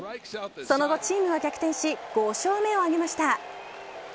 その後、チームは逆転し５勝目を挙げました。